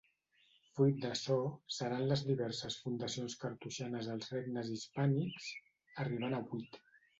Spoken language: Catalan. Fruit d'açò seran les diverses fundacions cartoixanes als regnes hispànics, arribant a vuit.